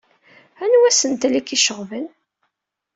Anwa asentel i k-iceɣben?